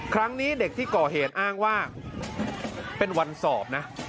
ครั้งนี้เด็กที่ก่อเหตุอ้างว่าเป็นวันสอบนะ